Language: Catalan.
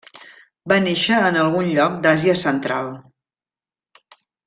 Va néixer en algun lloc d'Àsia central.